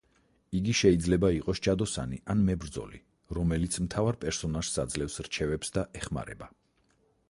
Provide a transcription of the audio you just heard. იგი შეიძლება იყოს ჯადოსანი ან მებრძოლი, რომელიც მთავარ პერსონაჟს აძლევს რჩევებს და ეხმარება.